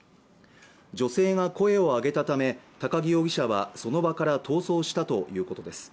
女性が声を上げたため高木容疑者はその場から逃走したということです